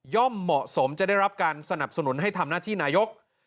เหมาะสมจะได้รับการสนับสนุนให้ทำหน้าที่นายก